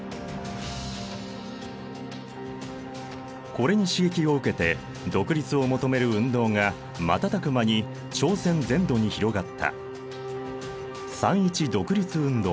これに刺激を受けて独立を求める運動が瞬く間に朝鮮全土に広がった。